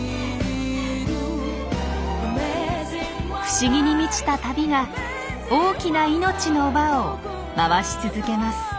不思議に満ちた旅が大きな命の輪を回し続けます。